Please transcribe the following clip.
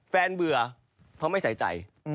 เบื่อเพราะไม่ใส่ใจ